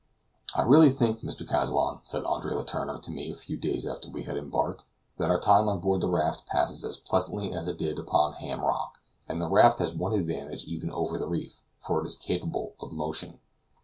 "I really think, Mr. Kazallon," said Andre Letourneur to me a few days after we had embarked, "that our time on board the raft passes as pleasantly as it did upon Ham Rock; and the raft has one advantage even over the reef, for it is capable of motion."